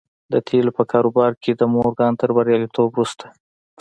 د تيلو په کاروبار کې د مورګان تر برياليتوب وروسته.